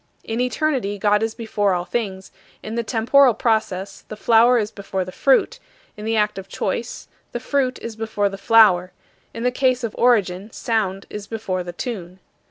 In eternity, God is before all things; in the temporal process, the flower is before the fruit; in the act of choice, the fruit is before the flower; in the case of origin, sound is before the tune.